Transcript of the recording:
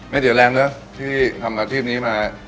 เสียแรงเนอะที่ทำอาชีพนี้มา